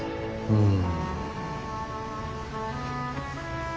うん。